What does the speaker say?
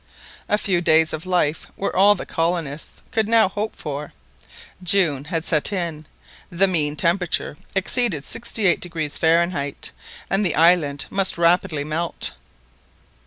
A few days of life were all the colonists could now hope for; June had set in, the mean temperature exceeded 68° Fahrenheit, and the islet must rapidly melt.